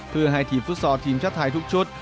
เพื่อให้ทีมฟุตซอลทีมชาติไทยทุกชุด